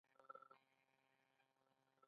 لاله ولې عمر کم لري؟